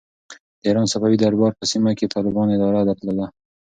د ایران صفوي دربار په سیمه کې ظالمانه اداره درلوده.